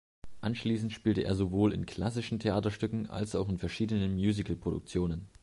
Anschließend spielte er sowohl in klassischen Theaterstücken, als auch in verschiedenen Musicalproduktionen.